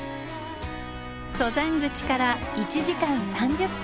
登山口から１時間３０分。